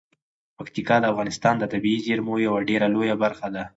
پکتیکا د افغانستان د طبیعي زیرمو یوه ډیره لویه برخه ده.